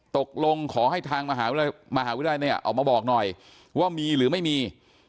ขอให้ทางมหาวิทยาลัยเนี่ยออกมาบอกหน่อยว่ามีหรือไม่มี